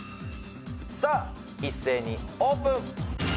さあ一斉にオープン！